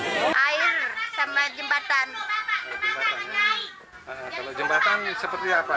kalau jembatan seperti apa